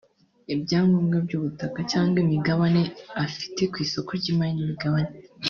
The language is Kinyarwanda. ibyangombwa by’ubutaka cyangwa imigabane afite ku isoko ry’imari n’imigabane